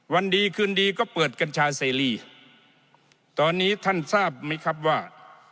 วันดีคืนดีก็เปิดกัญชาเสรีตอนนี้ท่านทราบไหมครับว่า